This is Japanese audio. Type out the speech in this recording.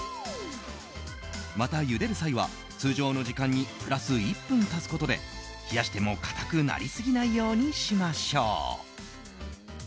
また、ゆでる際は通常の時間にプラス１分足すことで冷やしても硬くなりすぎないようにしましょう。